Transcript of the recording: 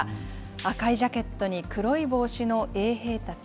赤いジャケットに黒い帽子の衛兵たち。